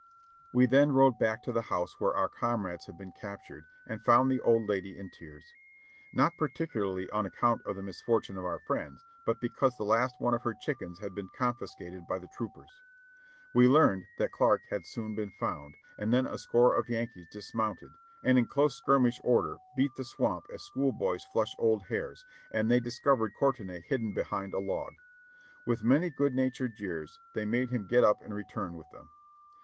We then rode back to the house where our comrades had been captured, and found the old lady in tears; not particularly on account of the misfortune of our friends, but because the last one of her chickens had been confiscated by the troopers. We learned that Clarke had soon been found, and then a score of Yankees dismounted, and in close skirmish order beat the swamp as school boys flush old hares, and they discovered Cour tenay hidden behind a log. With many good natured jeers they made him get up and return with them.